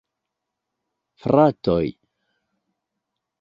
Fratoj!